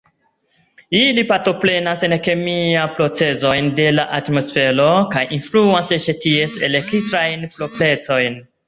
Ili partoprenas en kemiaj procezoj de la atmosfero kaj influas eĉ ties elektrajn proprecojn.